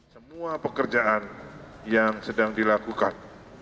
semua pekerjaan yang sedang dilakukan